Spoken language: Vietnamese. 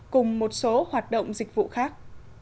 cùng một số hoạt động dịch vụ khác